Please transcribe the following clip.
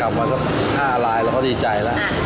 กำลังก็๕อัลลายแล้วก็ดีใจแล้ว